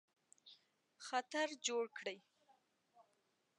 خطر جوړ کړي.